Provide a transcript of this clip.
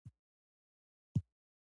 د همدې ويالو د بندېدو سبب ګرځي،